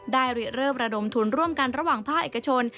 ได้เริ่มระดมทุนร่วมกันระหว่างภาคเอกชน